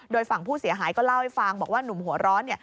โดยฝั่งผู้เสียหายก็เล่าให้ฟังบอกว่าหนุ่มหัวร้อน